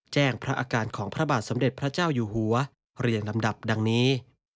พระอาการของพระบาทสมเด็จพระเจ้าอยู่หัวเรียงลำดับดังนี้